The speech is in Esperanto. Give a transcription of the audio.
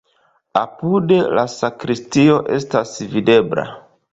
Apude la sakristio estas videbla.